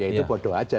ya itu bodoh aja